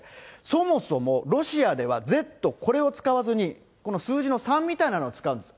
そもそもロシアではＺ、これを使わずに、この数字の３みたいなのを使うんです。